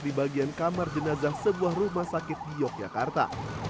di bagian kamar jenazah sebuah rumah sakit di yogyakarta